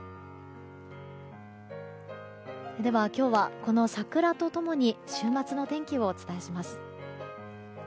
では今日はこの桜と共に週末のお天気をお伝えします。